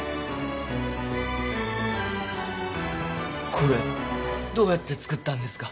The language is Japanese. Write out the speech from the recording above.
これどうやって作ったんですか？